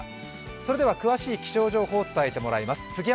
それでは詳しい気象情報を伝えてもらいます。